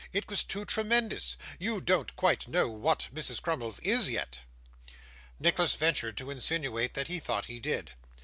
It was too tremendous. You don't quite know what Mrs. Crummles is yet.' Nicholas ventured to insinuate that he thought he did.